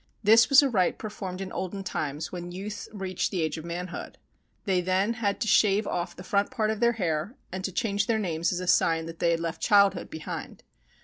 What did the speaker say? This was a rite performed in olden times when youths reached the age of manhood. They then had to shave 313 JAPAN off the front part of their hair and to change their names as a sign that they had left childhood behind.